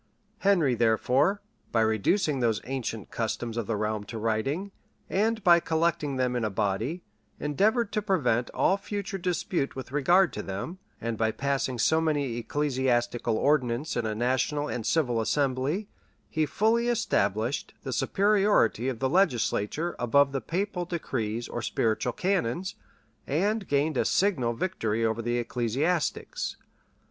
Henry, therefore, by reducing those ancient customs of the realm to writing, and by collecting them in a body, endeavored to prevent all future dispute with regard to them; and by passing so many ecclesiastical ordinances in a national and civil assembly, he fully established the superiority of the legislature above all papal decrees or spiritual canons, and gained a signal victory over the ecclesiastics.